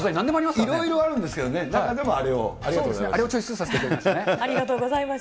いろいろあるんですけどね、あれをチョイスさせていただありがとうございました。